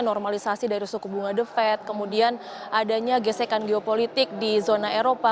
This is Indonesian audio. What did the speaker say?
normalisasi dari suku bunga the fed kemudian adanya gesekan geopolitik di zona eropa